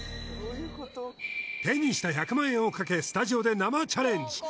手にした１００万をかけスタジオで生チャレンジ！